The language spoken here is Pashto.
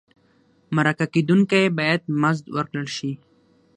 مرکه کېدونکی باید مزد ورکړل شي.